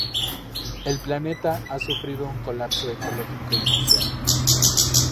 El planeta ha sufrido un colapso ecológico y social.